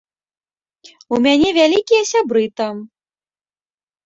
У мяне вялікія сябры там.